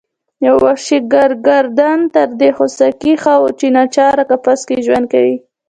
یو وحشي ګرګدن تر دې خوسکي ښه و چې ناچار قفس کې ژوند کوي.